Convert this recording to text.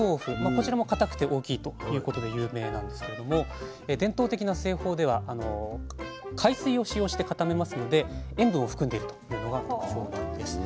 こちらも固くて大きいということで有名なんですけれども伝統的な製法では海水を使用して固めますので塩分を含んでるというのが特徴なんです。